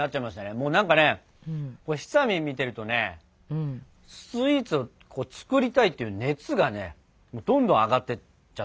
もうなんかねひさみん見てるとねスイーツを作りたいっていう熱がねどんどん上がってっちゃったね。